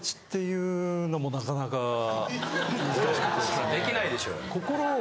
そりゃできないでしょ。